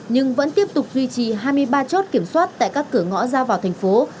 nhưng vẫn tiếp tục duy trì hai mươi ba chốt kiểm soát tại các cửa ngõ ra vào thành phố